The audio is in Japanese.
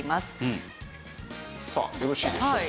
さあよろしいでしょうか。